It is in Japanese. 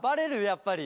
やっぱり。